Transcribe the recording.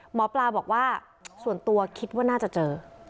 หมอปลาบอกว่าส่วนตัวคิดว่าน่าจะเจอ